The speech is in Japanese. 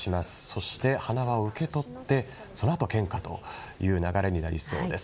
そして、花輪を受け取ってそのあと献花という流れになりそうです。